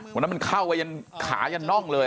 ข้างมันเข้าไปเลยจนขายันน้องเลย